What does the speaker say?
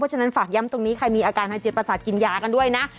ฉะนั้นฝากย้ำตรงนี้ใครมีอาการทางจิตประสาทกินยากันด้วยนะ